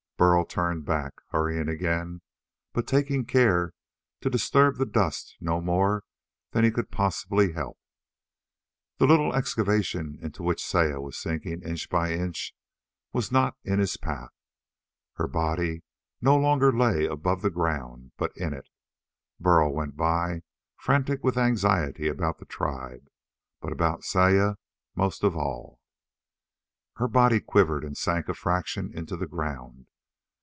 Burl turned back, hurrying again, but taking care to disturb the dust no more than he could possibly help. The little excavation into which Saya was sinking inch by inch was not in his path. Her body no longer lay above the ground, but in it. Burl went by, frantic with anxiety about the tribe, but about Saya most of all. Her body quivered and sank a fraction into the ground.